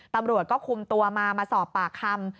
ตำรวจก็คุมตัวมามาสอบปากคำ